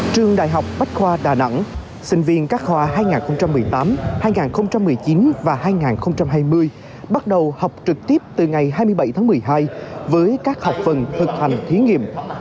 trường đại học bách khoa đà nẵng sinh viên các khoa hai nghìn một mươi tám hai nghìn một mươi chín và hai nghìn hai mươi bắt đầu học trực tiếp từ ngày hai mươi bảy tháng một mươi hai với các học phần thực hành thí nghiệm